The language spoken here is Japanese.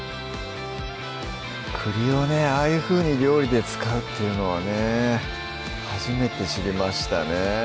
栗をねああいうふうに料理で使うっていうのはね初めて知りましたね